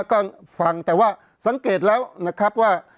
ก็ฟังแต่ว่าสังเกตแล้วนะครับว่า